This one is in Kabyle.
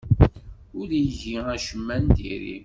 Ur igi acemma n diri.